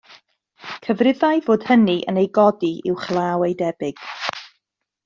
Cyfrifai fod hynny yn ei godi uwchlaw ei debyg.